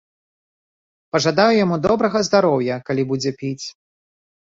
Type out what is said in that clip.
Пажадаю яму добрага здароўя, калі будзе піць.